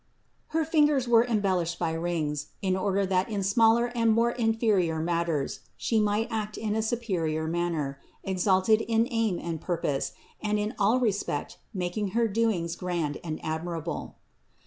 Her fingers were embellished by rings, in order that in smaller or more inferior matters She might act in a superior manner, exalted in aim and pur pose and in all respect making her doings grand and admirable.